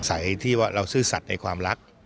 ที่ว่าเราซื่อสัตว์ในความรัก